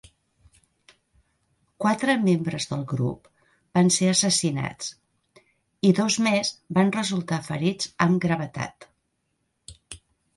Quatre membres del grup van ser assassinats, i dos més van resultar ferits amb gravetat.